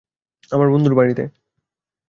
আমার বন্ধুর বাড়িতে।